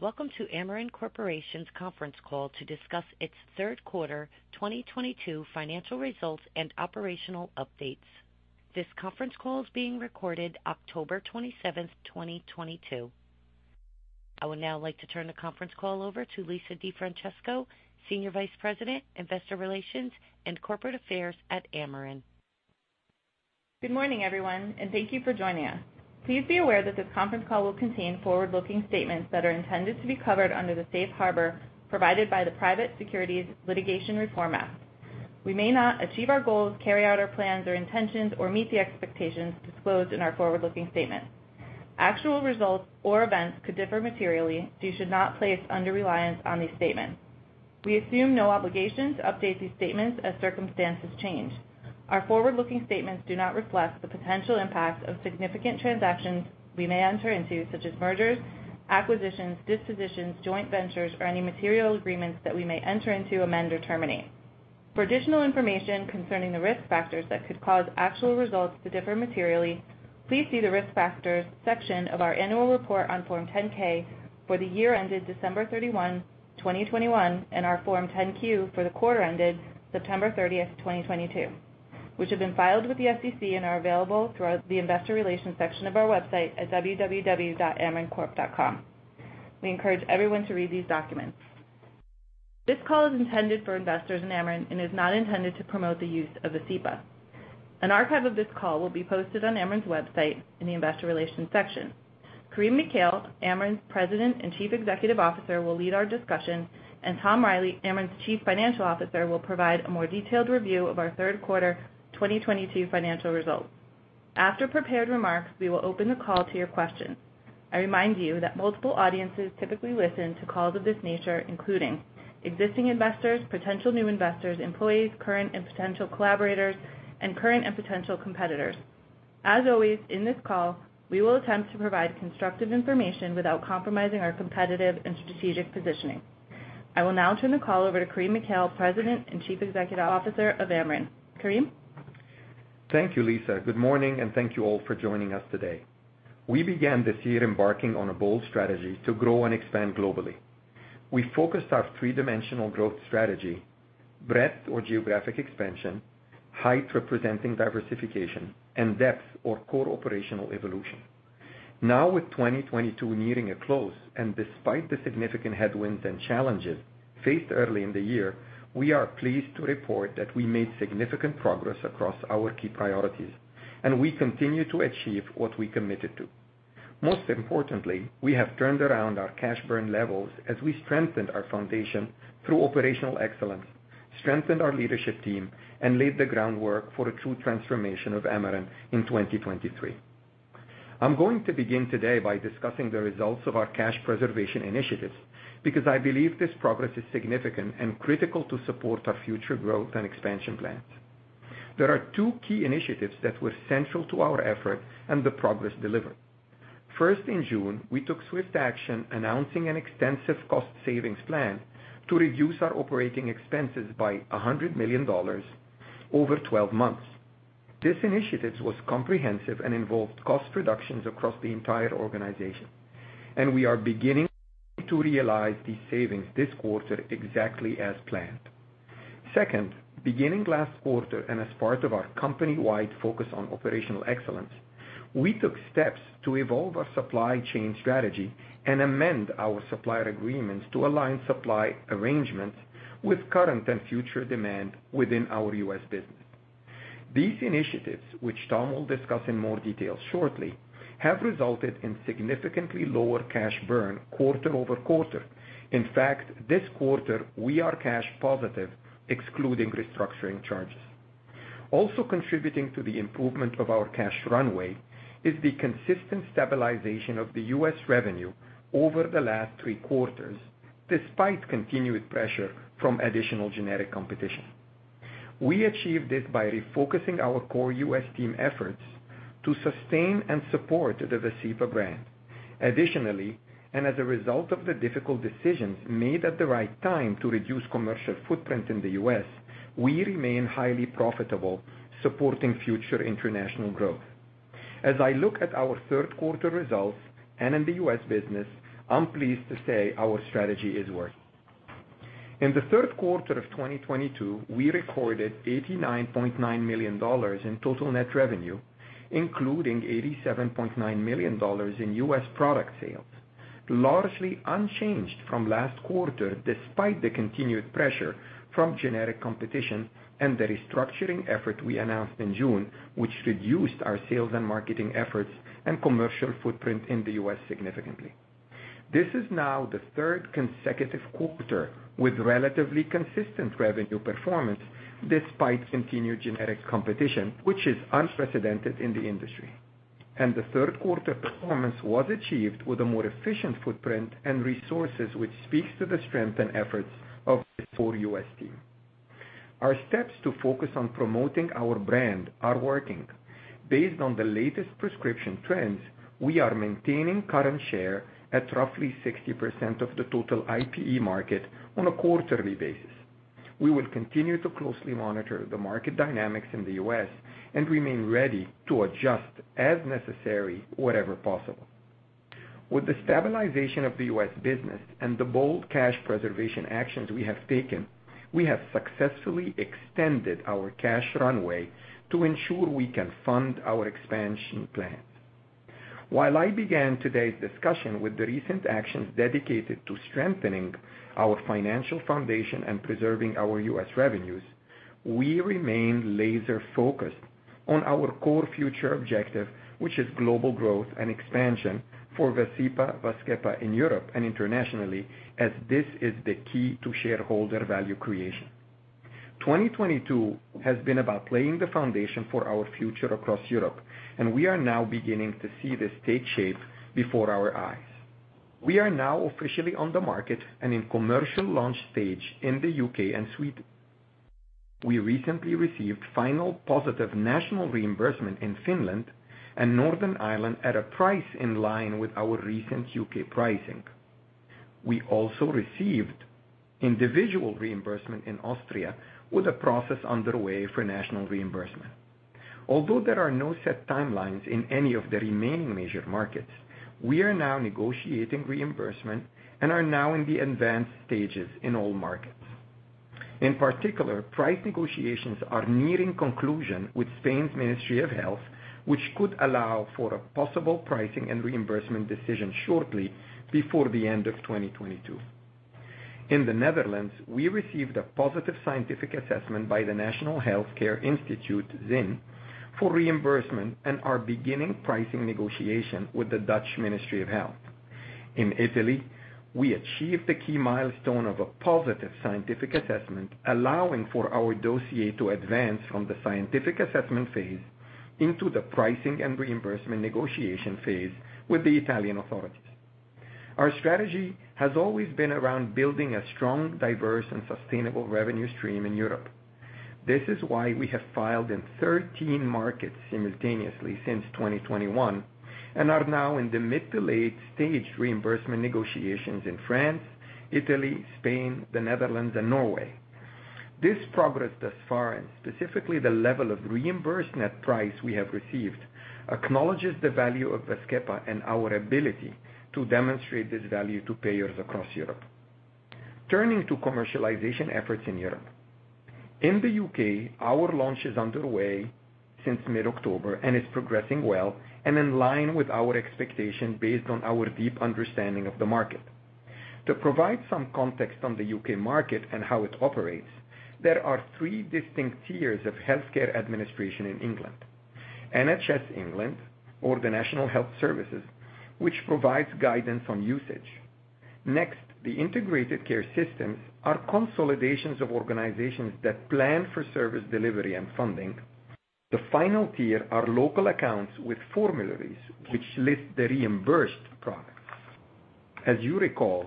Welcome to Amarin Corporation's conference call to discuss its third quarter 2022 financial results and operational updates. This conference call is being recorded October 27th, 2022. I would now like to turn the conference call over to Lisa DeFrancesco, Senior Vice President, Investor Relations and Corporate Affairs at Amarin. Good morning, everyone, and thank you for joining us. Please be aware that this conference call will contain forward-looking statements that are intended to be covered under the safe harbor provided by the Private Securities Litigation Reform Act. We may not achieve our goals, carry out our plans or intentions, or meet the expectations disclosed in our forward-looking statements. Actual results or events could differ materially, so you should not place undue reliance on these statements. We assume no obligation to update these statements as circumstances change. Our forward-looking statements do not reflect the potential impacts of significant transactions we may enter into, such as mergers, acquisitions, dispositions, joint ventures, or any material agreements that we may enter into, amend, or terminate. For additional information concerning the risk factors that could cause actual results to differ materially, please see the Risk Factors section of our Annual Report on Form 10-K for the year ended December 31, 2021, and our Form 10-Q for the quarter ended September 30th, 2022, which have been filed with the SEC and are available throughout the Investor Relations section of our website at www.amarincorp.com. We encourage everyone to read these documents. This call is intended for investors in Amarin and is not intended to promote the use of Vascepa. An archive of this call will be posted on Amarin's website in the Investor Relations section. Karim Mikhail, Amarin's President and Chief Executive Officer, will lead our discussion, and Tom Reilly, Amarin's Chief Financial Officer, will provide a more detailed review of our third quarter 2022 financial results. After prepared remarks, we will open the call to your questions. I remind you that multiple audiences typically listen to calls of this nature, including existing investors, potential new investors, employees, current and potential collaborators, and current and potential competitors. As always, in this call, we will attempt to provide constructive information without compromising our competitive and strategic positioning. I will now turn the call over to Karim Mikhail, President and Chief Executive Officer of Amarin. Karim? Thank you, Lisa. Good morning and thank you all for joining us today. We began this year embarking on a bold strategy to grow and expand globally. We focused our three-dimensional growth strategy, breadth or geographic expansion, height representing diversification, and depth or core operational evolution. Now, with 2022 nearing a close, and despite the significant headwinds and challenges faced early in the year, we are pleased to report that we made significant progress across our key priorities, and we continue to achieve what we committed to. Most importantly, we have turned around our cash burn levels as we strengthened our foundation through operational excellence, strengthened our leadership team, and laid the groundwork for a true transformation of Amarin in 2023. I'm going to begin today by discussing the results of our cash preservation initiatives because I believe this progress is significant and critical to support our future growth and expansion plans. There are two key initiatives that were central to our effort and the progress delivered. First, in June, we took swift action announcing an extensive cost savings plan to reduce our operating expenses by $100 million over 12 months. This initiative was comprehensive and involved cost reductions across the entire organization, and we are beginning to realize these savings this quarter exactly as planned. Second, beginning last quarter, and as part of our company-wide focus on operational excellence, we took steps to evolve our supply chain strategy and amend our supplier agreements to align supply arrangements with current and future demand within our U.S. business. These initiatives, which Tom will discuss in more detail shortly, have resulted in significantly lower cash burn quarter-over-quarter. In fact, this quarter we are cash positive, excluding restructuring charges. Also contributing to the improvement of our cash runway is the consistent stabilization of the U.S. revenue over the last three quarters, despite continued pressure from additional generic competition. We achieved this by refocusing our core U.S. team efforts to sustain and support the Vascepa brand. Additionally, and as a result of the difficult decisions made at the right time to reduce commercial footprint in the U.S., we remain highly profitable, supporting future international growth. As I look at our third quarter results and in the U.S. business, I'm pleased to say our strategy is working. In the third quarter of 2022, we recorded $89.9 million in total net revenue, including $87.9 million in U.S. product sales, largely unchanged from last quarter, despite the continued pressure from generic competition and the restructuring effort we announced in June, which reduced our sales and marketing efforts and commercial footprint in the U.S. significantly. This is now the third consecutive quarter with relatively consistent revenue performance despite continued generic competition, which is unprecedented in the industry. The third quarter performance was achieved with a more efficient footprint and resources, which speaks to the strength and efforts of the full U.S. team. Our steps to focus on promoting our brand are working. Based on the latest prescription trends, we are maintaining current share at roughly 60% of the total IPE market on a quarterly basis. We will continue to closely monitor the market dynamics in the U.S. and remain ready to adjust as necessary wherever possible. With the stabilization of the U.S. business and the bold cash preservation actions we have taken, we have successfully extended our cash runway to ensure we can fund our expansion plans. While I began today's discussion with the recent actions dedicated to strengthening our financial foundation and preserving our U.S. revenues, we remain laser-focused on our core future objective, which is global growth and expansion for Vascepa in Europe and internationally, as this is the key to shareholder value creation. 2022 has been about laying the foundation for our future across Europe, and we are now beginning to see this take shape before our eyes. We are now officially on the market and in commercial launch stage in the U.K. and Sweden. We recently received final positive national reimbursement in Finland and Northern Ireland at a price in line with our recent U.K. pricing. We also received individual reimbursement in Austria with a process underway for national reimbursement. Although there are no set timelines in any of the remaining major markets, we are now negotiating reimbursement and are now in the advanced stages in all markets. In particular, price negotiations are nearing conclusion with Spain's Ministry of Health, which could allow for a possible pricing and reimbursement decision shortly before the end of 2022. In the Netherlands, we received a positive scientific assessment by the National Health Care Institute, ZIN, for reimbursement and are beginning pricing negotiation with the Dutch Ministry of Health. In Italy, we achieved the key milestone of a positive scientific assessment, allowing for our dossier to advance from the scientific assessment phase into the pricing and reimbursement negotiation phase with the Italian authorities. Our strategy has always been around building a strong, diverse, and sustainable revenue stream in Europe. This is why we have filed in 13 markets simultaneously since 2021 and are now in the mid to late stage reimbursement negotiations in France, Italy, Spain, the Netherlands and Norway. This progress thus far, and specifically the level of reimbursement price we have received, acknowledges the value of Vascepa and our ability to demonstrate this value to payers across Europe. Turning to commercialization efforts in Europe. In the U.K., our launch is underway since mid-October and is progressing well and in line with our expectation based on our deep understanding of the market. To provide some context on the U.K. market and how it operates, there are three distinct tiers of healthcare administration in England. NHS England, or the National Health Service, which provides guidance on usage. Next, the integrated care systems are consolidations of organizations that plan for service delivery and funding. The final tier are local accounts with formularies which list the reimbursed products. As you recall,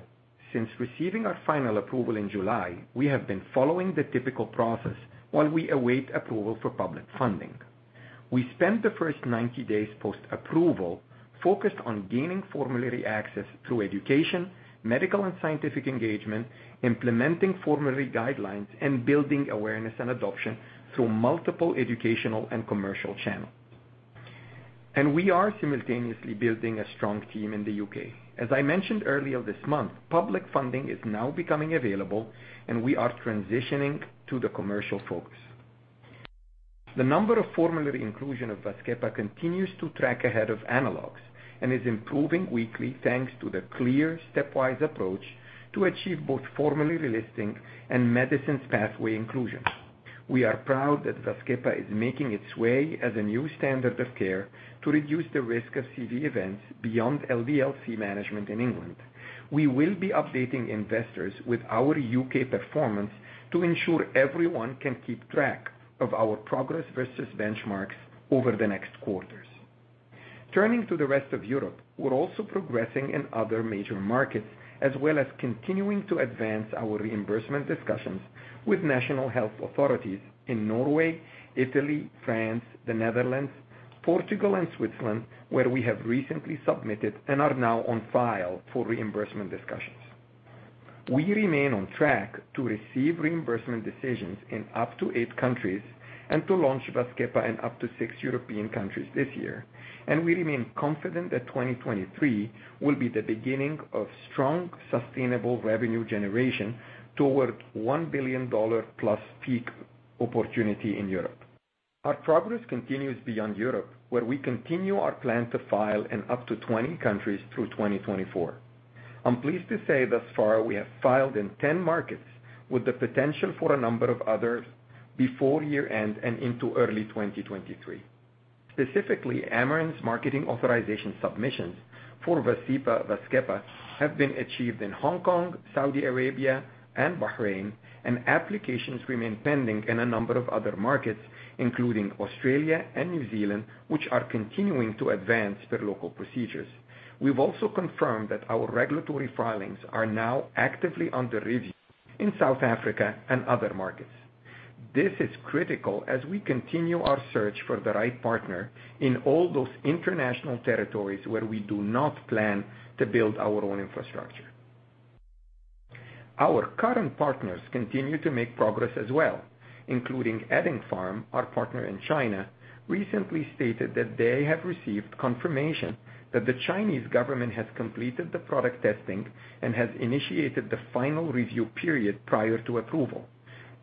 since receiving our final approval in July, we have been following the typical process while we await approval for public funding. We spent the first 90 days post-approval focused on gaining formulary access through education, medical and scientific engagement, implementing formulary guidelines, and building awareness and adoption through multiple educational and commercial channels. We are simultaneously building a strong team in the U.K. As I mentioned earlier this month, public funding is now becoming available and we are transitioning to the commercial focus. The number of formulary inclusion of Vascepa continues to track ahead of analogs and is improving weekly, thanks to the clear stepwise approach to achieve both formulary listing and medicines pathway inclusion. We are proud that Vascepa is making its way as a new standard of care to reduce the risk of CV events beyond LDL-C management in England. We will be updating investors with our U.K. performance to ensure everyone can keep track of our progress versus benchmarks over the next quarters. Turning to the rest of Europe, we're also progressing in other major markets, as well as continuing to advance our reimbursement discussions with national health authorities in Norway, Italy, France, the Netherlands, Portugal and Switzerland, where we have recently submitted and are now on file for reimbursement discussions. We remain on track to receive reimbursement decisions in up to eight countries and to launch Vascepa in up to six European countries this year. We remain confident that 2023 will be the beginning of strong, sustainable revenue generation towards $1 billion-plus peak opportunity in Europe. Our progress continues beyond Europe, where we continue our plan to file in up to 20 countries through 2024. I'm pleased to say thus far we have filed in 10 markets with the potential for a number of others before year-end and into early 2023. Specifically, Amarin's marketing authorization submissions for Vascepa have been achieved in Hong Kong, Saudi Arabia and Bahrain, and applications remain pending in a number of other markets, including Australia and New Zealand, which are continuing to advance their local procedures. We've also confirmed that our regulatory filings are now actively under review in South Africa and other markets. This is critical as we continue our search for the right partner in all those international territories where we do not plan to build our own infrastructure. Our current partners continue to make progress as well, including Eddingpharm, our partner in China, recently stated that they have received confirmation that the Chinese government has completed the product testing and has initiated the final review period prior to approval.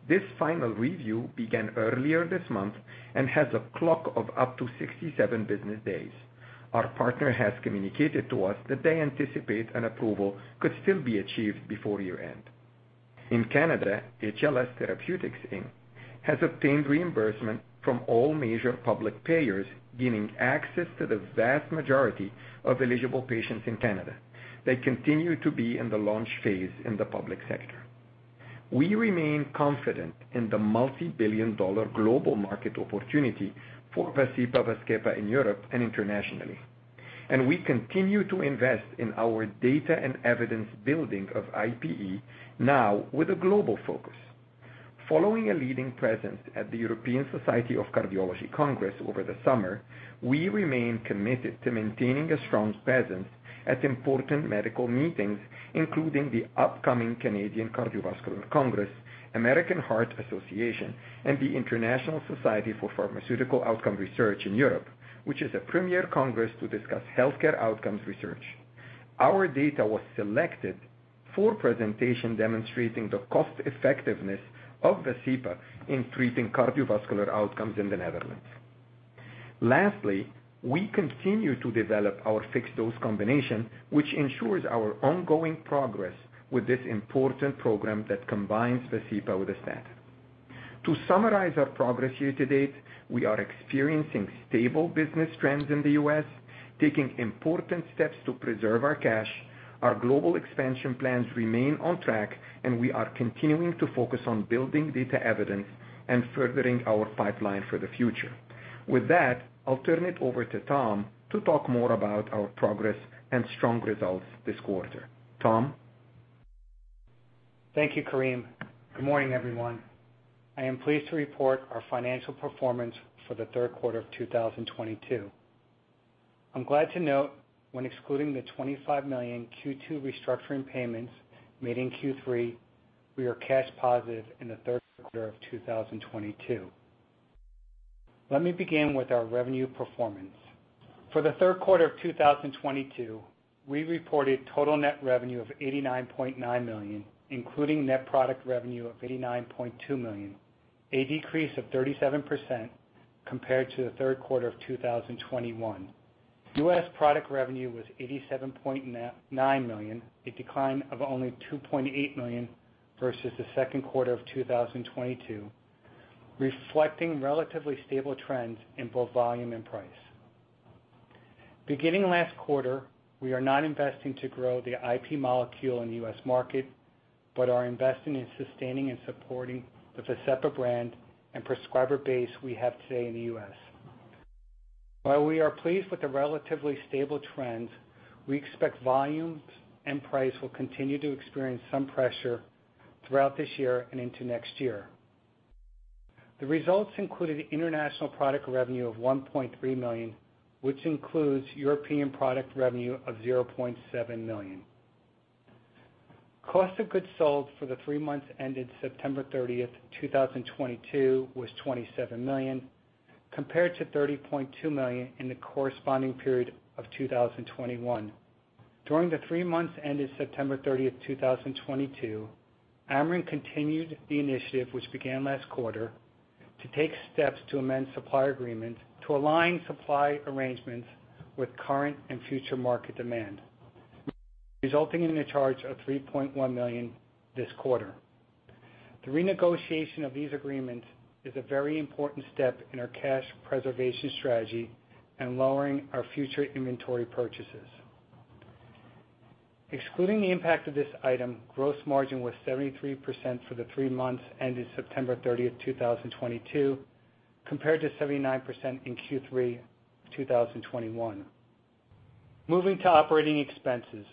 This final review began earlier this month and has a clock of up to 67 business days. Our partner has communicated to us that they anticipate an approval could still be achieved before year-end. In Canada, HLS Therapeutics Inc. has obtained reimbursement from all major public payers, gaining access to the vast majority of eligible patients in Canada. They continue to be in the launch phase in the public sector. We remain confident in the multi-billion dollar global market opportunity for Vascepa in Europe and internationally, and we continue to invest in our data and evidence building of IPE now with a global focus. Following a leading presence at the European Society of Cardiology Congress over the summer, we remain committed to maintaining a strong presence at important medical meetings, including the upcoming Canadian Cardiovascular Congress, American Heart Association, and the International Society for Pharmacoeconomics and Outcomes Research in Europe, which is a premier congress to discuss healthcare outcomes research. Our data was selected for presentation demonstrating the cost effectiveness of Vascepa in treating cardiovascular outcomes in the Netherlands. Lastly, we continue to develop our fixed dose combination, which ensures our ongoing progress with this important program that combines Vascepa with a statin. To summarize our progress year to date, we are experiencing stable business trends in the U.S., taking important steps to preserve our cash. Our global expansion plans remain on track, and we are continuing to focus on building data evidence and furthering our pipeline for the future. With that, I'll turn it over to Tom to talk more about our progress and strong results this quarter. Tom? Thank you, Karim. Good morning, everyone. I am pleased to report our financial performance for the third quarter of 2022. I'm glad to note when excluding the $25 million Q2 restructuring payments made in Q3, we are cash positive in the third quarter of 2022. Let me begin with our revenue performance. For the third quarter of 2022, we reported total net revenue of $89.9 million, including net product revenue of $89.2 million, a decrease of 37% compared to the third quarter of 2021. U.S. product revenue was $87.9 million, a decline of only $2.8 million versus the second quarter of 2022, reflecting relatively stable trends in both volume and price. Beginning last quarter, we are not investing to grow the IPE molecule in the U.S. market, but are investing in sustaining and supporting the Vascepa brand and prescriber base we have today in the U.S. While we are pleased with the relatively stable trends, we expect volumes and price will continue to experience some pressure throughout this year and into next year. The results included international product revenue of $1.3 million, which includes European product revenue of $0.7 million. Cost of goods sold for the three months ended September 30th, 2022 was $27 million, compared to $30.2 million in the corresponding period of 2021. During the three months ended September 30th, 2022, Amarin continued the initiative, which began last quarter, to take steps to amend supply agreement to align supply arrangements with current and future market demand, resulting in a charge of $3.1 million this quarter. The renegotiation of these agreements is a very important step in our cash preservation strategy and lowering our future inventory purchases. Excluding the impact of this item, gross margin was 73% for the three months ended September 30th, 2022, compared to 79% in Q3 2021. Moving to operating expenses.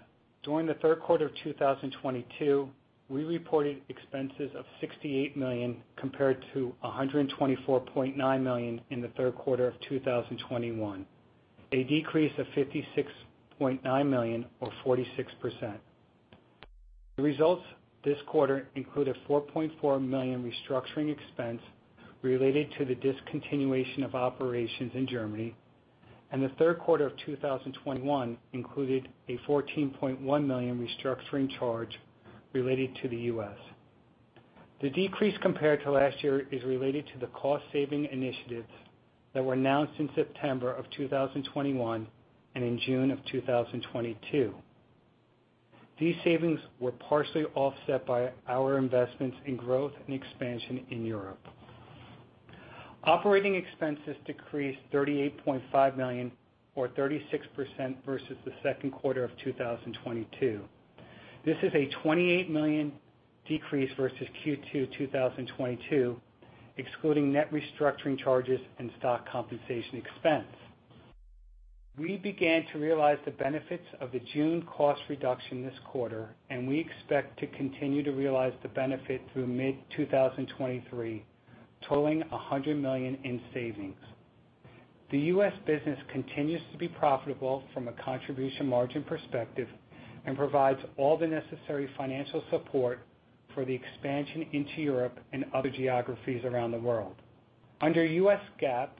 During the third quarter of 2022, we reported expenses of $68 million compared to $124.9 million in the third quarter of 2021, a decrease of $56.9 million or 46%. The results this quarter include a $4.4 million restructuring expense related to the discontinuation of operations in Germany, and the third quarter of 2021 included a $14.1 million restructuring charge related to the U.S. The decrease compared to last year is related to the cost-saving initiatives that were announced in September of 2021 and in June of 2022. These savings were partially offset by our investments in growth and expansion in Europe. Operating expenses decreased $38.5 million or 36% versus the second quarter of 2022. This is a $28 million decrease versus Q2 2022, excluding net restructuring charges and stock compensation expense. We began to realize the benefits of the June cost reduction this quarter, and we expect to continue to realize the benefit through mid-2023, totaling $100 million in savings. The U.S. business continues to be profitable from a contribution margin perspective and provides all the necessary financial support for the expansion into Europe and other geographies around the world. Under U.S. GAAP,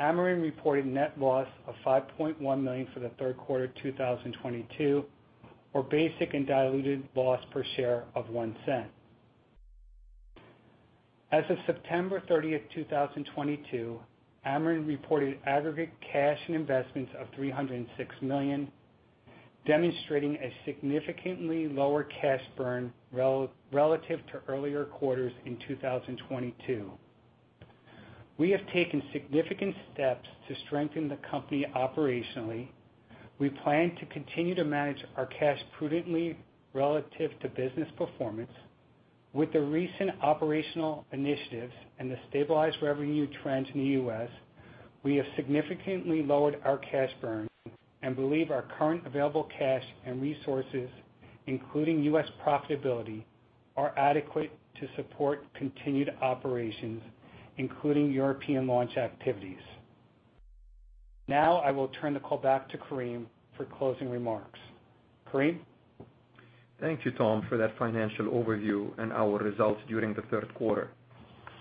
Amarin reported net loss of $5.1 million for the third quarter of 2022, or basic and diluted loss per share of $0.01. As of September 30th, 2022, Amarin reported aggregate cash and investments of $306 million, demonstrating a significantly lower cash burn relative to earlier quarters in 2022. We have taken significant steps to strengthen the company operationally. We plan to continue to manage our cash prudently relative to business performance. With the recent operational initiatives and the stabilized revenue trends in the U.S., we have significantly lowered our cash burn and believe our current available cash and resources, including U.S. profitability, are adequate to support continued operations, including European launch activities. Now I will turn the call back to Karim for closing remarks. Karim? Thank you, Tom, for that financial overview and our results during the third quarter.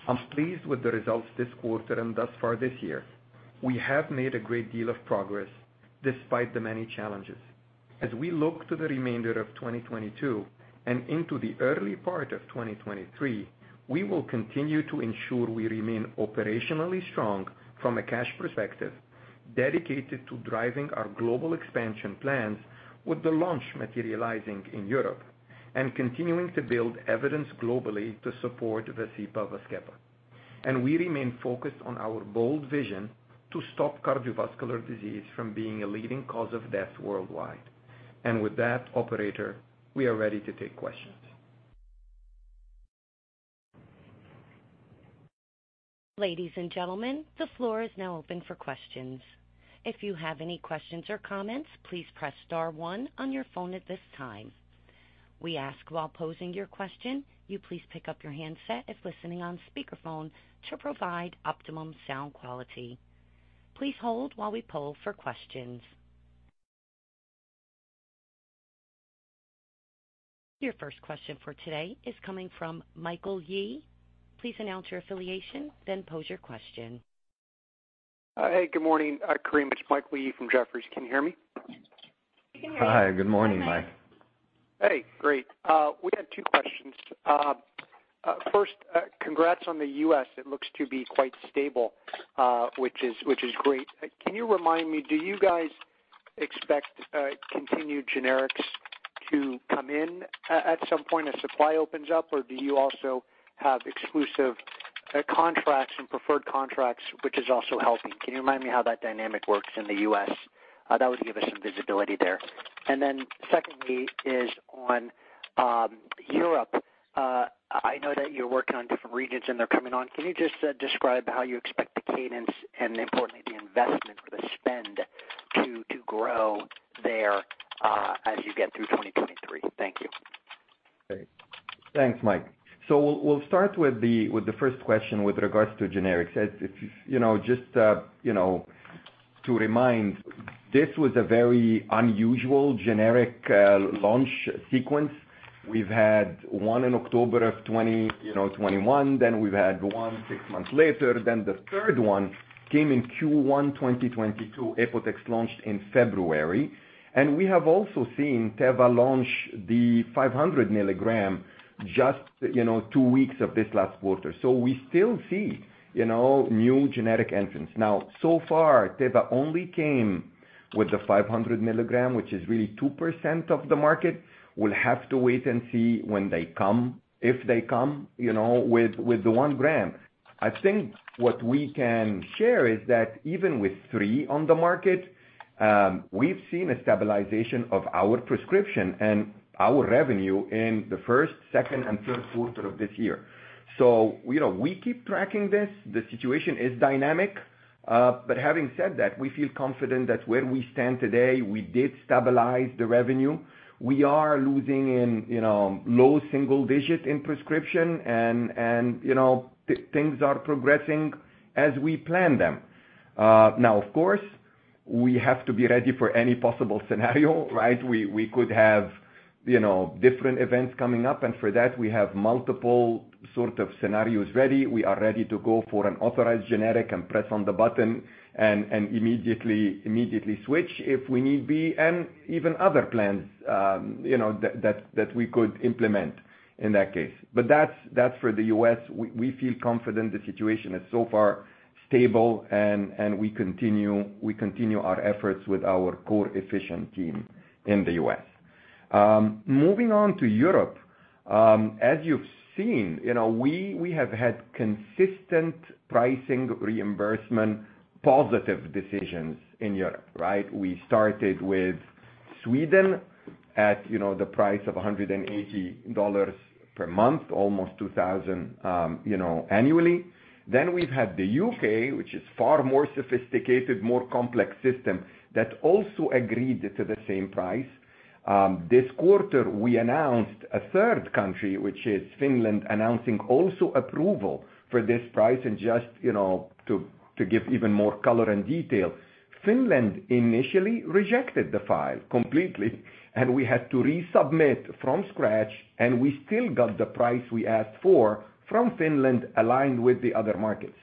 I'm pleased with the results this quarter and thus far this year. We have made a great deal of progress despite the many challenges. As we look to the remainder of 2022 and into the early part of 2023, we will continue to ensure we remain operationally strong from a cash perspective, dedicated to driving our global expansion plans with the launch materializing in Europe and continuing to build evidence globally to support Vascepa. We remain focused on our bold vision to stop cardiovascular disease from being a leading cause of death worldwide. With that, operator, we are ready to take questions. Ladies and gentlemen, the floor is now open for questions. If you have any questions or comments, please press star one on your phone at this time. We ask while posing your question, you please pick up your handset if listening on speakerphone to provide optimum sound quality. Please hold while we poll for questions. Your first question for today is coming from Michael Yee. Please announce your affiliation, then pose your question. Hey, good morning, Karim. It's Michael Yee from Jefferies. Can you hear me? Hi, good morning, Mike. Hey, great. We had two questions. First, congrats on the U.S. It looks to be quite stable, which is great. Can you remind me, do you guys expect continued generics to come in at some point as supply opens up? Or do you also have exclusive contracts and preferred contracts, which is also helping? Can you remind me how that dynamic works in the U.S.? That would give us some visibility there. Secondly is on Europe. I know that you're working on different regions and they're coming on. Can you just describe how you expect the cadence and importantly, the investment or the spend to grow there, as you get through 2023? Thank you. Thanks, Mike. We'll start with the first question with regards to generics. As a reminder, this was a very unusual generic launch sequence. We've had one in October of 2021, then we've had one six months later, then the third one came in Q1 2022. Apotex launched in February. We have also seen Teva launch the 500 milligram just two weeks ago in this last quarter. We still see new generic entrants. Now, so far, Teva only came with the 500 milligram, which is really 2% of the market. We'll have to wait and see when they come, if they come, with the one gram. I think what we can share is that even with three on the market, we've seen a stabilization of our prescription and our revenue in the first, second and third quarter of this year. You know, we keep tracking this. The situation is dynamic. Having said that, we feel confident that where we stand today, we did stabilize the revenue. We are losing in, you know, low single digits in prescription and you know, things are progressing as we plan them. Now, of course, we have to be ready for any possible scenario, right? We could have, you know, different events coming up, and for that, we have multiple sort of scenarios ready. We are ready to go for an authorized generic and press on the button and immediately switch if we need be, and even other plans, you know, that we could implement in that case. That's for the U.S. We feel confident the situation is so far stable and we continue our efforts with our core enforcement team in the U.S. Moving on to Europe, as you've seen, you know, we have had consistent pricing and reimbursement, positive decisions in Europe, right? We started with Sweden at, you know, the price of $180 per month, almost $2,000, you know, annually. We've had the U.K., which is far more sophisticated, more complex system that also agreed to the same price. This quarter, we announced a third country, which is Finland, announcing also approval for this price. Just, you know, to give even more color and detail, Finland initially rejected the file completely, and we had to resubmit from scratch, and we still got the price we asked for from Finland aligned with the other markets.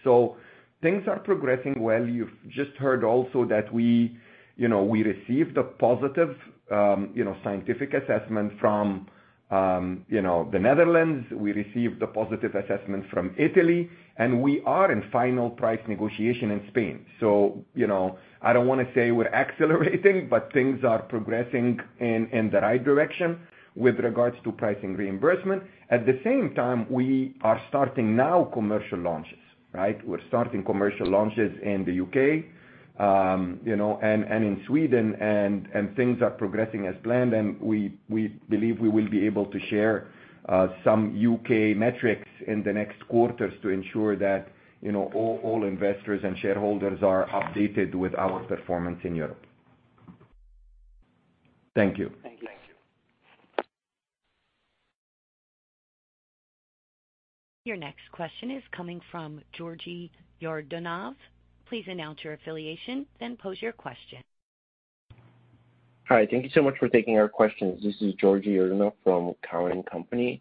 Things are progressing well. You've just heard also that we, you know, we received a positive, you know, scientific assessment from, you know, the Netherlands. We received a positive assessment from Italy, and we are in final price negotiation in Spain. You know, I don't wanna say we're accelerating, but things are progressing in the right direction with regards to pricing reimbursement. At the same time, we are starting now commercial launches, right? We're starting commercial launches in the U.K., you know, and in Sweden, and things are progressing as planned. We believe we will be able to share some U.K. metrics in the next quarters to ensure that, you know, all investors and shareholders are updated with our performance in Europe. Thank you. Thank you. Your next question is coming from Georgi Yordanov. Please announce your affiliation, then pose your question. Hi. Thank you so much for taking our questions. This is Georgi Yordanov from Cowen and Company.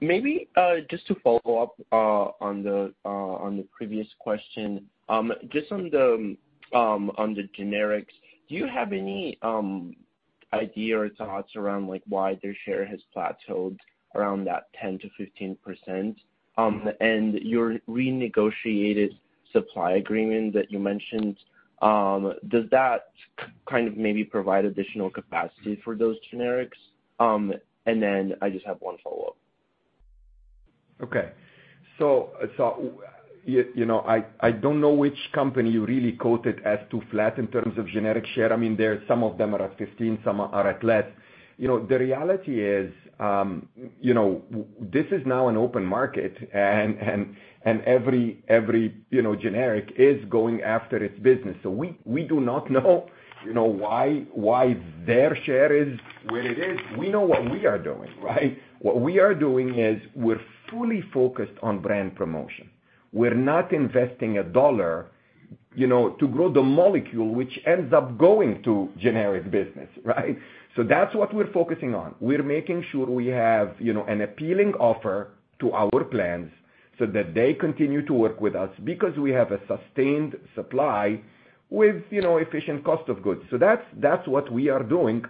Maybe just to follow up on the previous question. Just on the generics, do you have any idea or thoughts around like why their share has plateaued around that 10%-15%? And your renegotiated supply agreement that you mentioned, does that kind of maybe provide additional capacity for those generics? And then I just have one follow-up. Okay. You know, I don't know which company you really quoted as too flat in terms of generic share. I mean, some of them are at 15, some are at less. You know, the reality is, you know, this is now an open market and every you know, generic is going after its business. We do not know, you know, why their share is where it is. We know what we are doing, right? What we are doing is we're fully focused on brand promotion. We're not investing a dollar, you know, to grow the molecule, which ends up going to generic business, right? That's what we're focusing on. We're making sure we have, you know, an appealing offer to our plans so that they continue to work with us because we have a sustained supply with, you know, efficient cost of goods. That's what we are doing.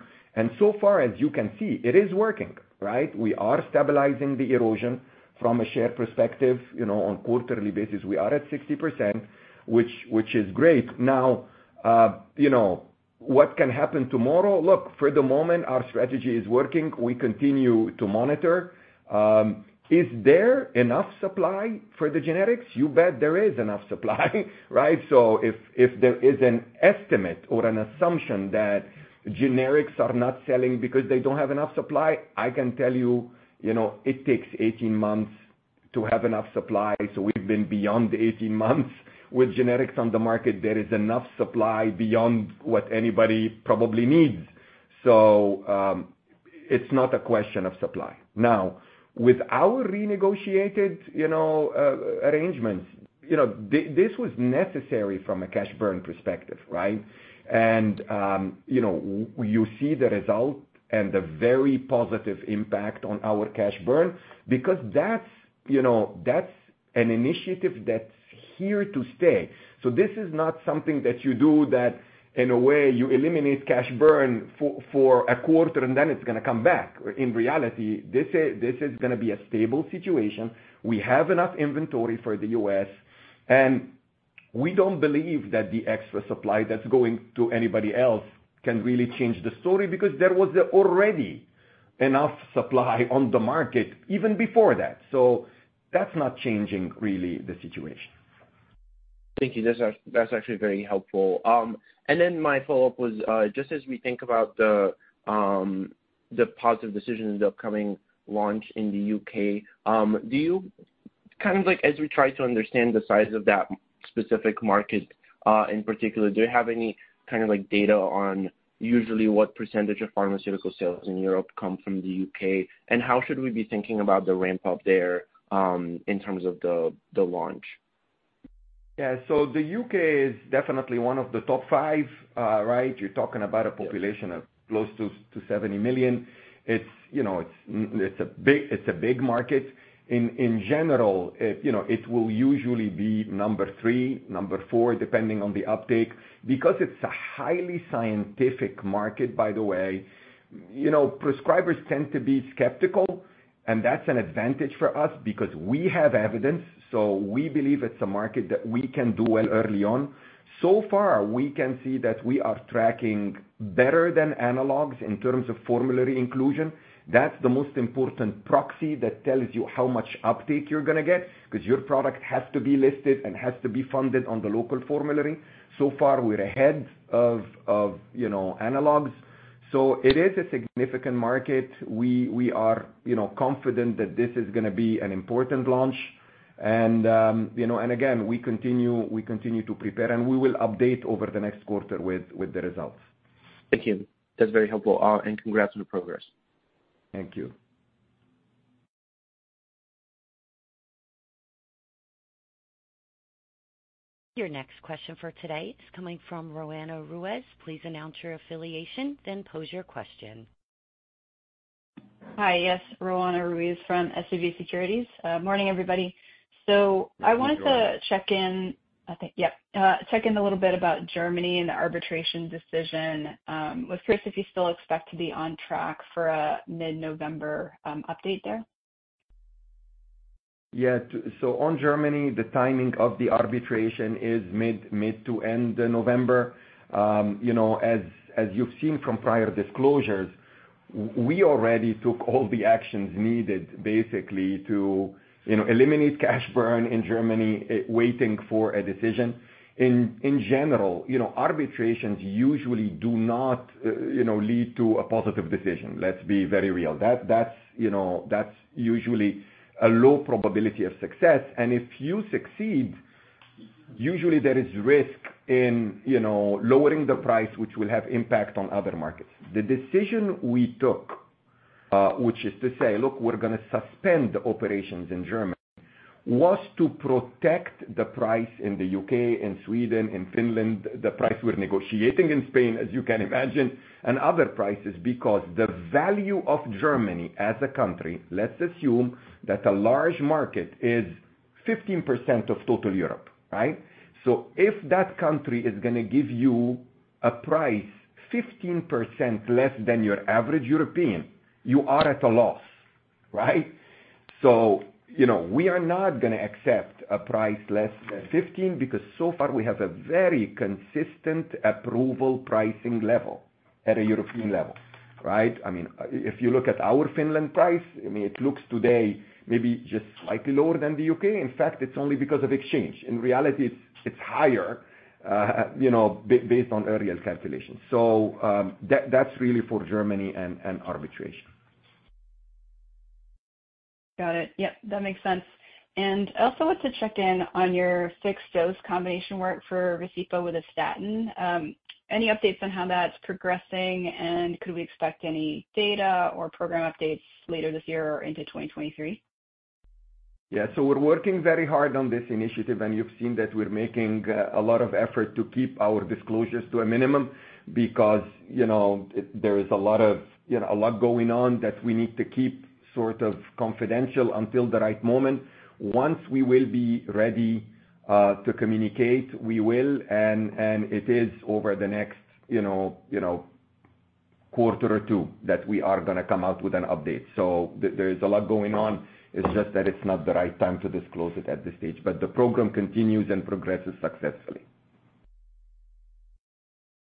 So far, as you can see, it is working, right. We are stabilizing the erosion from a share perspective. You know, on quarterly basis, we are at 60%, which is great. Now, you know, what can happen tomorrow? Look, for the moment, our strategy is working. We continue to monitor. Is there enough supply for the generics? You bet there is enough supply, right? So if there is an estimate or an assumption that generics are not selling because they don't have enough supply, I can tell you know, it takes 18 months to have enough supply. We've been beyond the 18 months with generics on the market. There is enough supply beyond what anybody probably needs. It's not a question of supply. Now, with our renegotiated, you know, arrangements, you know, this was necessary from a cash burn perspective, right? You see the result and the very positive impact on our cash burn because that's an initiative that's here to stay. This is not something that you do that in a way you eliminate cash burn for a quarter and then it's gonna come back. In reality, this is gonna be a stable situation. We have enough inventory for the U.S., and we don't believe that the extra supply that's going to anybody else can really change the story because there was already enough supply on the market even before that. That's not changing really the situation. Thank you. That's actually very helpful. My follow-up was just as we think about the positive decision in the upcoming launch in the U.K., do you kind of like as we try to understand the size of that specific market, in particular, do you have any kind of like data on usually what percentage of pharmaceutical sales in Europe come from the U.K.? How should we be thinking about the ramp-up there, in terms of the launch? Yeah. The U.K. is definitely one of the top five, right? You're talking about a population of close to 70 million. It's, you know, a big market. In general, it, you know, will usually be number three, number four, depending on the uptake. Because it's a highly scientific market, by the way, you know, prescribers tend to be skeptical, and that's an advantage for us because we have evidence, so we believe it's a market that we can do well early on. So far, we can see that we are tracking better than analogs in terms of formulary inclusion. That's the most important proxy that tells you how much uptake you're gonna get 'cause your product has to be listed and has to be funded on the local formulary. So far, we're ahead of, you know, analogs. It is a significant market. We are, you know, confident that this is gonna be an important launch and, you know, and again, we continue to prepare, and we will update over the next quarter with the results. Thank you. That's very helpful. Congrats on the progress. Thank you. Your next question for today is coming from Roanna Ruiz. Please announce your affiliation, then pose your question. Hi. Yes. Roanna Ruiz from SVB Securities. Morning, everybody. I wanted to check in a little bit about Germany and the arbitration decision. Was curious if you still expect to be on track for a mid-November update there? Yeah. On Germany, the timing of the arbitration is mid- to end November. You know, as you've seen from prior disclosures, we already took all the actions needed basically to, you know, eliminate cash burn in Germany, waiting for a decision. In general, you know, arbitrations usually do not, you know, lead to a positive decision. Let's be very real. That's, you know, that's usually a low probability of success. And if you succeed, usually there is risk in, you know, lowering the price, which will have impact on other markets. The decision we took, which is to say, "Look, we're gonna suspend operations in Germany," was to protect the price in the U.K. and Sweden and Finland, the price we're negotiating in Spain, as you can imagine, and other prices. Because the value of Germany as a country, let's assume that a large market is 15% of total Europe, right? If that country is gonna give you a price 15% less than your average European, you are at a loss, right? You know, we are not gonna accept a price less than 15 because so far we have a very consistent approval pricing level at a European level, right? I mean, if you look at our Finland price, I mean, it looks today maybe just slightly lower than the U.K.. In fact, it's only because of exchange. In reality it's higher, you know, based on earlier calculations. That's really for Germany and arbitration. Got it. Yep, that makes sense. I also want to check in on your fixed-dose combination work for Vascepa with a statin. Any updates on how that's progressing? Could we expect any data or program updates later this year or into 2023? Yeah. We're working very hard on this initiative, and you've seen that we're making a lot of effort to keep our disclosures to a minimum because, you know, there is a lot of, you know, a lot going on that we need to keep sort of confidential until the right moment. Once we will be ready to communicate, we will, and it is over the next, you know, quarter two that we are gonna come out with an update. There is a lot going on. It's just that it's not the right time to disclose it at this stage. The program continues and progresses successfully.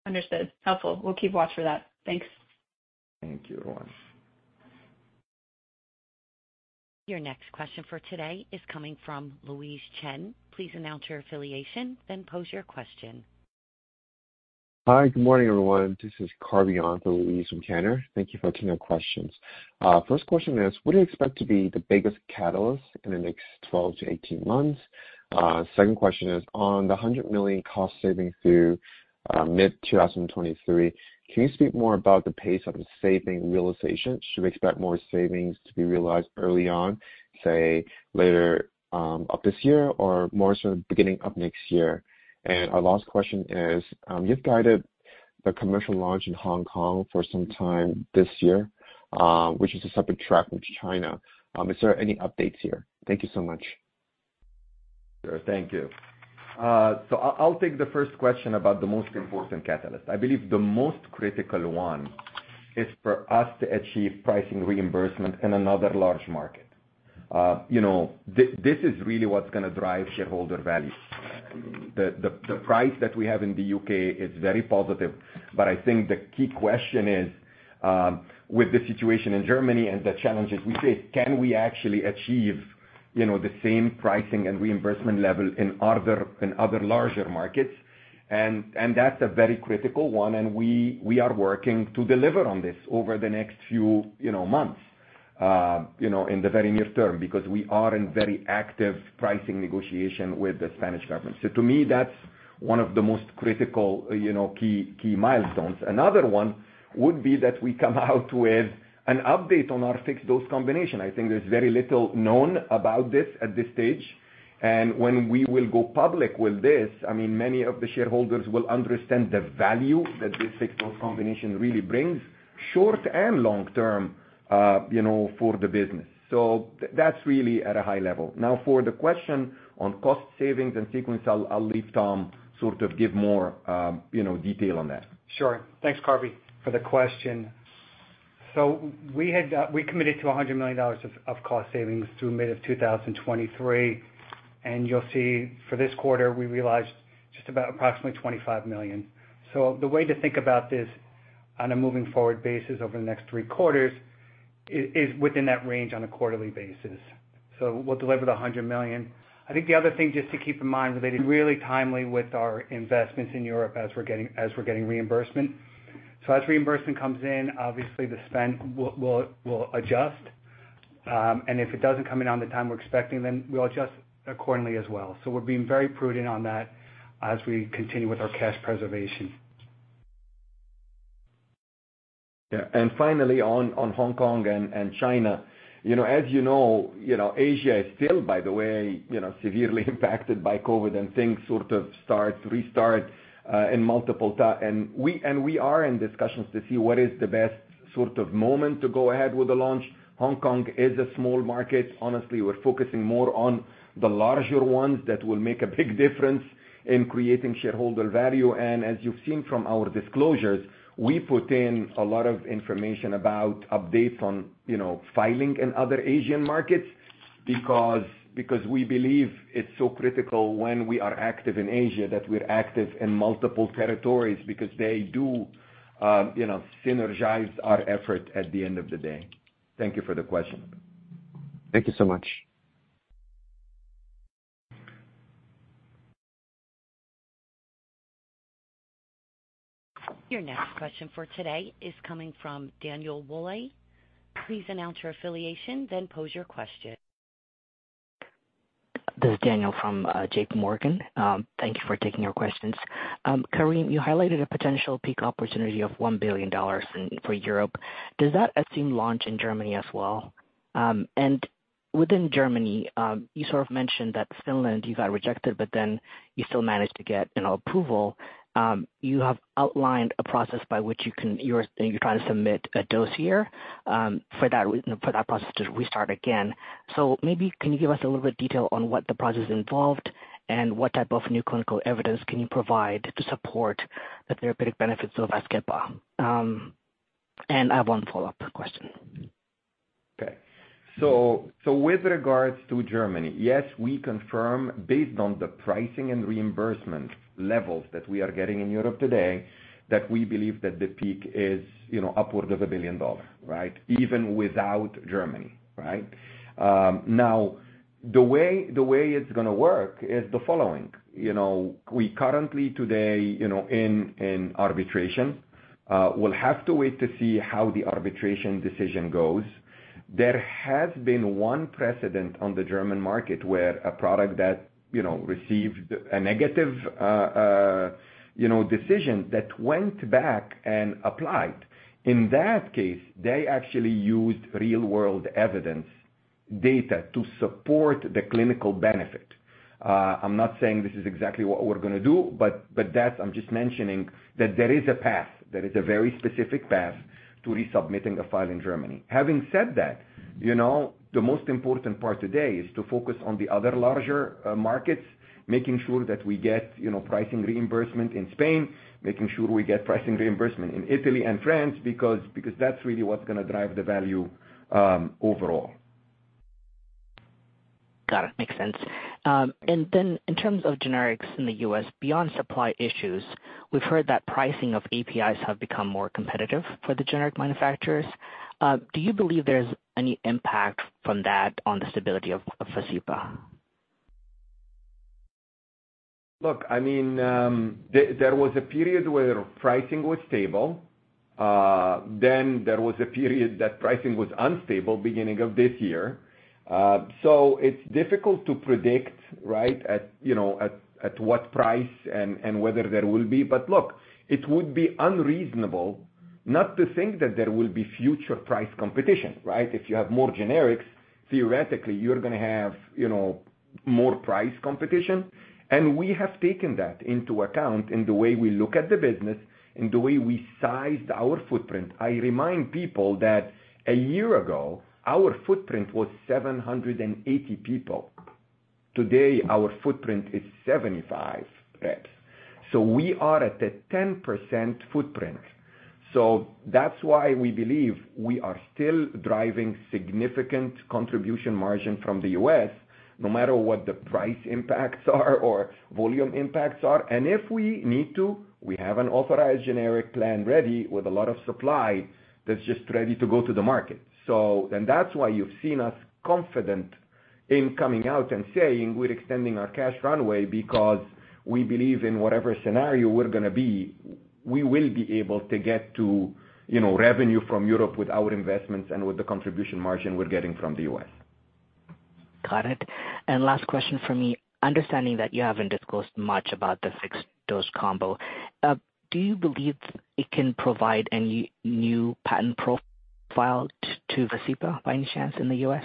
Understood. Helpful. We'll keep watch for that. Thanks. Thank you, Roanna. Your next question for today is coming from Louise Chen. Please announce your affiliation, then pose your question. Hi. Good morning, everyone. This is Kareem Zaghloul on for Louise Chen from Cantor Fitzgerald. Thank you for taking our questions. First question is: what do you expect to be the biggest catalyst in the next 12-18 months? Second question is: on the $100 million cost savings through mid-2023, can you speak more about the pace of the saving realization? Should we expect more savings to be realized early on, say later up this year or more sort of beginning of next year? Our last question is: you've guided the commercial launch in Hong Kong for some time this year, which is a separate track with China. Is there any updates here? Thank you so much. Sure. Thank you. I'll take the first question about the most important catalyst. I believe the most critical one is for us to achieve pricing reimbursement in another large market. You know, this is really what's gonna drive shareholder value. The price that we have in the U.K. is very positive, but I think the key question is, with the situation in Germany and the challenges we face, can we actually achieve, you know, the same pricing and reimbursement level in other larger markets? That's a very critical one, and we are working to deliver on this over the next few months, you know, in the very near term, because we are in very active pricing negotiation with the Spanish government. To me, that's one of the most critical, you know, key milestones. Another one would be that we come out with an update on our fixed-dose combination. I think there's very little known about this at this stage. When we will go public with this, I mean, many of the shareholders will understand the value that this fixed-dose combination really brings short and long term, you know, for the business. That's really at a high level. Now, for the question on cost savings and sequence, I'll leave Tom sort of give more, you know, detail on that. Sure. Thanks, Kareem Zaghloul, for the question. We committed to $100 million of cost savings through mid-2023, and you'll see for this quarter, we realized just about approximately $25 million. The way to think about this on a moving forward basis over the next three quarters is within that range on a quarterly basis. We'll deliver the $100 million. I think the other thing just to keep in mind that they did really timely with our investments in Europe as we're getting reimbursement. As reimbursement comes in, obviously the spend will adjust. If it doesn't come in on the time we're expecting, then we'll adjust accordingly as well. We're being very prudent on that as we continue with our cash preservation. Yeah. Finally, on Hong Kong and China. You know, as you know, Asia is still, by the way, severely impacted by COVID and things sort of restart in multiple. We are in discussions to see what is the best sort of moment to go ahead with the launch. Hong Kong is a small market. Honestly, we're focusing more on the larger ones that will make a big difference in creating shareholder value. As you've seen from our disclosures, we put in a lot of information about updates on, you know, filing in other Asian markets because we believe it's so critical when we are active in Asia that we're active in multiple territories because they do, you know, synergize our effort at the end of the day. Thank you for the question. Thank you so much. Your next question for today is coming from Th-An Ho. Please announce your affiliation, then pose your question. This is Daniel from JPMorgan. Thank you for taking our questions. Karim, you highlighted a potential peak opportunity of $1 billion in Europe. Does that assume launch in Germany as well? Within Germany, you sort of mentioned that in Finland you got rejected, but then you still managed to get an approval. You have outlined a process by which you're trying to submit a dossier here for that process to restart again. Maybe can you give us a little bit detail on what the process involved and what type of new clinical evidence can you provide to support the therapeutic benefits of Vascepa? I have one follow-up question. Okay, with regards to Germany, yes, we confirm based on the pricing and reimbursement levels that we are getting in Europe today, that we believe that the peak is, you know, upward of $1 billion, right? Even without Germany, right? Now the way it's gonna work is the following. You know, we currently today, you know, in arbitration, we'll have to wait to see how the arbitration decision goes. There has been one precedent on the German market where a product that, you know, received a negative decision that went back and applied. In that case, they actually used real-world evidence data to support the clinical benefit. I'm not saying this is exactly what we're gonna do, but that's. I'm just mentioning that there is a path, there is a very specific path to resubmitting a file in Germany. Having said that, you know, the most important part today is to focus on the other larger markets, making sure that we get, you know, pricing reimbursement in Spain, making sure we get pricing reimbursement in Italy and France because that's really what's gonna drive the value overall. Got it. Makes sense. In terms of generics in the U.S. beyond supply issues, we've heard that pricing of APIs have become more competitive for the generic manufacturers. Do you believe there's any impact from that on the stability of Vascepa? Look, I mean, there was a period where pricing was stable. Then there was a period that pricing was unstable beginning of this year. It's difficult to predict, right, you know, at what price and whether there will be. But look, it would be unreasonable not to think that there will be future price competition, right? If you have more generics, theoretically you're gonna have, you know, more price competition. We have taken that into account in the way we look at the business, in the way we sized our footprint. I remind people that a year ago, our footprint was 780 people. Today our footprint is 75 reps. We are at a 10% footprint. That's why we believe we are still driving significant contribution margin from the U.S. no matter what the price impacts are or volume impacts are. If we need to, we have an authorized generic plan ready with a lot of supply that's just ready to go to the market. That's why you've seen us confident in coming out and saying we're extending our cash runway because we believe in whatever scenario we're gonna be, we will be able to get to, you know, revenue from Europe with our investments and with .the contribution margin we're getting from the U.S. Got it. Last question for me. Understanding that you haven't disclosed much about the fixed dose combo, do you believe it can provide any new patent protection to Vascepa by any chance in the U.S.?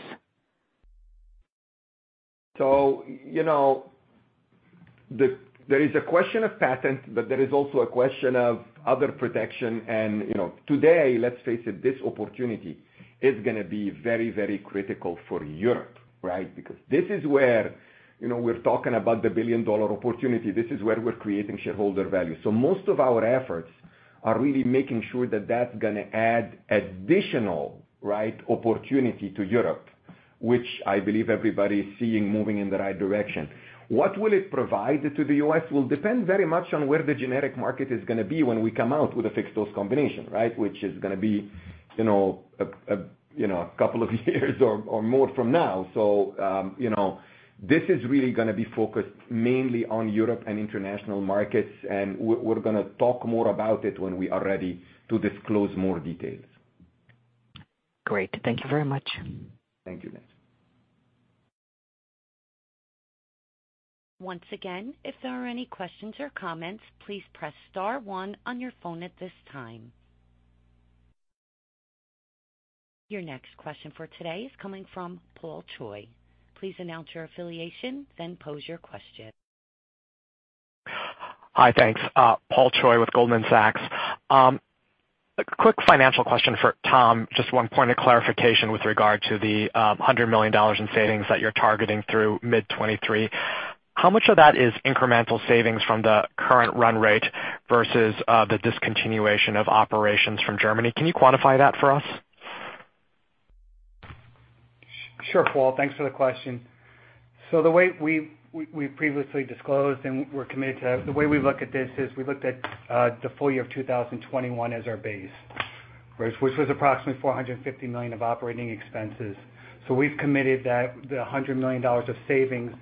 you know, the, there is a question of patent, but there is also a question of other protection. you know, today, let's face it, this opportunity is gonna be very, very critical for Europe, right? Because this is where, you know, we're talking about the billion-dollar opportunity. This is where we're creating shareholder value. most of our efforts are really making sure that that's gonna add additional, right, opportunity to Europe, which I believe everybody is seeing moving in the right direction. What will it provide to the U.S. will depend very much on where the generic market is gonna be when we come out with a fixed dose combination, right? Which is gonna be. You know, a you know, a couple of years or more from now. you know, this is really gonna be focused mainly on Europe and international markets, and we're gonna talk more about it when we are ready to disclose more details. Great. Thank you very much. Thank you, Dan. Once again, if there are any questions or comments, please press star one on your phone at this time. Your next question for today is coming from Paul Choi. Please announce your affiliation, then pose your question. Hi. Thanks. Paul Choi with Goldman Sachs. A quick financial question for Tom, just one point of clarification with regard to the $100 million in savings that you're targeting through mid-2023. How much of that is incremental savings from the current run rate versus the discontinuation of operations from Germany? Can you quantify that for us? Sure, Paul. Thanks for the question. The way we've previously disclosed and we're committed to, the way we look at this is we looked at the full year of 2021 as our base, right? Which was approximately $450 million of operating expenses. We've committed that the $100 million of savings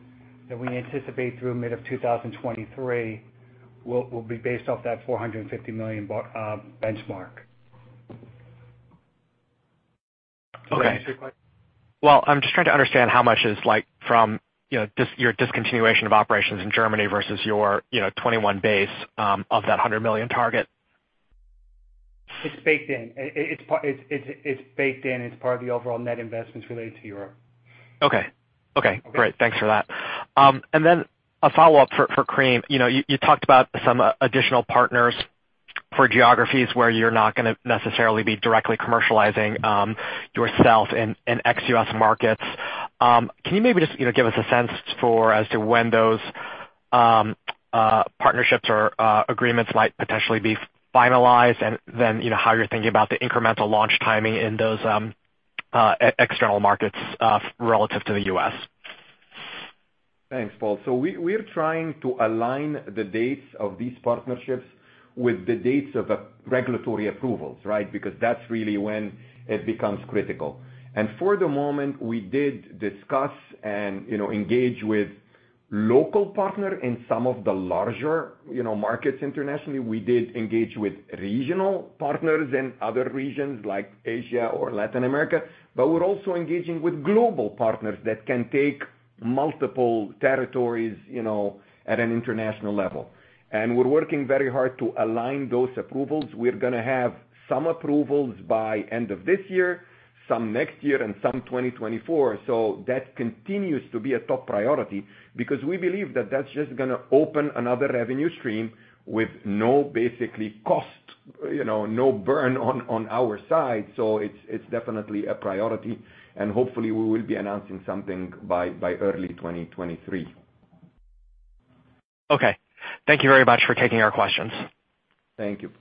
that we anticipate through mid of 2023 will be based off that $450 million benchmark. Okay. Can you repeat the question? Well, I'm just trying to understand how much is like from, you know, your discontinuation of operations in Germany versus your, you know, 2021 base of that $100 million target. It's baked in. It's part of the overall net investments related to Europe. Okay. Okay. Okay. Great. Thanks for that. A follow-up for Karim. You know, you talked about some additional partners for geographies where you're not gonna necessarily be directly commercializing yourself in ex-U.S. markets. Can you maybe just, you know, give us a sense as to when those partnerships or agreements might potentially be finalized? And then, you know, how you're thinking about the incremental launch timing in those external markets relative to the U.S. Thanks, Paul. We're trying to align the dates of these partnerships with the dates of regulatory approvals, right? Because that's really when it becomes critical. For the moment, we did discuss and, you know, engage with local partner in some of the larger, you know, markets internationally. We did engage with regional partners in other regions like Asia or Latin America, but we're also engaging with global partners that can take multiple territories, you know, at an international level. We're working very hard to align those approvals. We're gonna have some approvals by end of this year, some next year and some 2024. That continues to be a top priority because we believe that that's just gonna open another revenue stream with no basic cost, you know, no burn on our side. It's definitely a priority, and hopefully we will be announcing something by early 2023. Okay. Thank you very much for taking our questions. Thank you.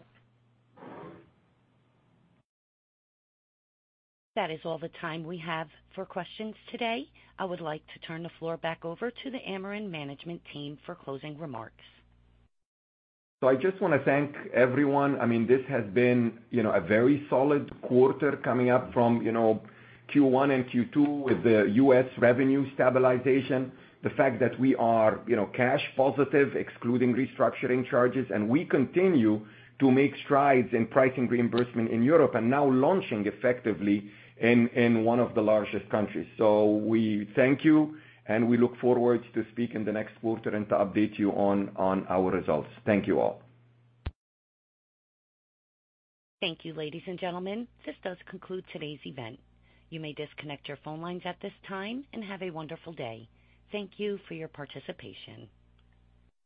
That is all the time we have for questions today. I would like to turn the floor back over to the Amarin management team for closing remarks. I just wanna thank everyone. I mean, this has been, you know, a very solid quarter coming up from, you know, Q1 and Q2 with the U.S. revenue stabilization. The fact that we are, you know, cash positive, excluding restructuring charges, and we continue to make strides in pricing and reimbursement in Europe and now launching effectively in one of the largest countries. We thank you, and we look forward to speak in the next quarter and to update you on our results. Thank you all. Thank you, ladies and gentlemen. This does conclude today's event. You may disconnect your phone lines at this time and have a wonderful day. Thank you for your participation.